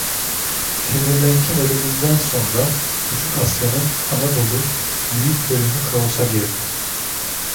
Timurlenk'in ölümünden sonra, Küçük Asya'nın (Anadolu) büyük bölümü kaosa girdi.